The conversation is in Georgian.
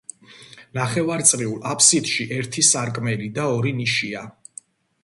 ნახევარწრიულ აფსიდში ერთი სარკმელი და ორი ნიშია.